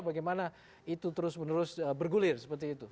bagaimana itu terus menerus bergulir seperti itu